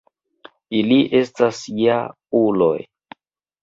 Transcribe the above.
Ili estas ja-uloj